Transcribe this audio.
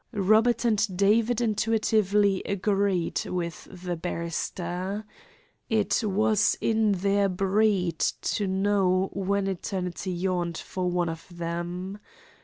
Robert and David intuitively agreed with the barrister. It was in their breed to know when eternity yawned for one of them.